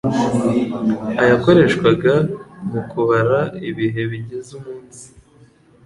Ayakoreshwaga mu kubara ibihe bigize umunsi.